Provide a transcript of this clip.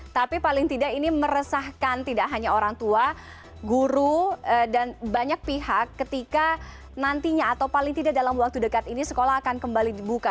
tapi paling tidak ini meresahkan tidak hanya orang tua guru dan banyak pihak ketika nantinya atau paling tidak dalam waktu dekat ini sekolah akan kembali dibuka